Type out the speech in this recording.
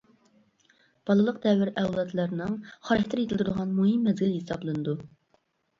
بالىلىق دەۋر ئەۋلادلارنىڭ خاراكتېر يېتىلدۈرىدىغان مۇھىم مەزگىل ھېسابلىنىدۇ.